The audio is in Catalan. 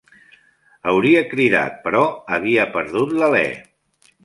Hauria cridat, però havia perdut l'alè.